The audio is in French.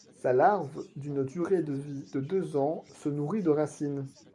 Sa larve, d'une durée de vie de deux ans, se nourrit de racines.